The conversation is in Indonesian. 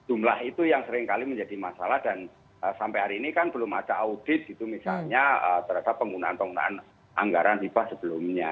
jumlah itu yang seringkali menjadi masalah dan sampai hari ini kan belum ada audit gitu misalnya terhadap penggunaan penggunaan anggaran hibah sebelumnya